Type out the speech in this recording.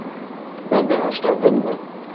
Benden hoşlandın mı?